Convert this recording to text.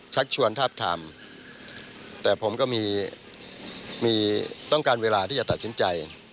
ชักชวนทาบทามแต่ผมก็มีต้องการเวลาที่จะตัดสินใจ